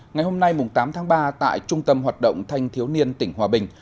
ngày hôm nay tám tháng ba tại trung tâm hoạt động thanh thiếu niên tỉnh hòa bình